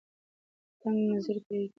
تنگ نظري پریږدئ.